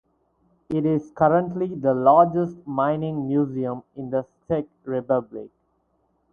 It is currently the largest mining museum in the Czech Republic.